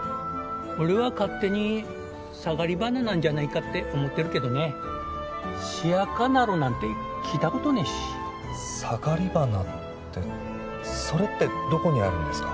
俺は勝手にサガリバナなんじゃないかって思ってるけどねシヤカナローなんて聞いたことねえしサガリバナってそれってどこにあるんですか？